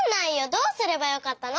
どうすればよかったの？